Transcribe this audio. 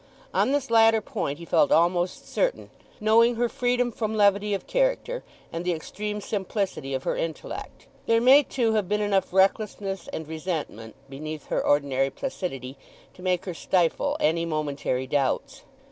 On this latter point he felt almost certain, knowing her freedom from levity of character, and the extreme simplicity of her intellect. There may, too, have been enough recklessness and resentment beneath her ordinary placidity to make her stifle any momentary doubts.